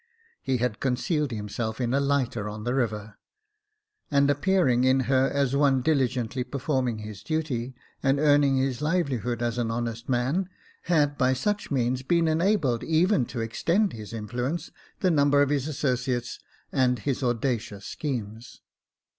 He had concealed himself in a lighter on the river, and appear ing in her as one diligently performing his duty, and earning his livelihood as an honest man, had by such means been enabled even to extend his influence, the number of his associates, and his audacious schemes.